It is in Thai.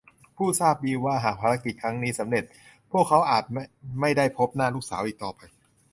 ผู้ทราบดีว่าหากภารกิจครั้งนี้สำเร็จเขาอาจไม่ได้พบหน้าลูกสาวอีกต่อไป